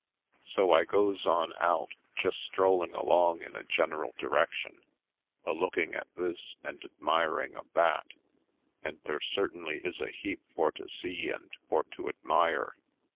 So I goes on out, just strolling along in a general direction, a looking at this and ad miring of that; and there certainly is a heap for to see and for to admire.